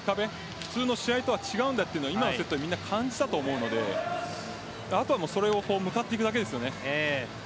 普通の試合とは違うんだと今のセットで感じたと思うのであとはそれに向かっていくだけですね。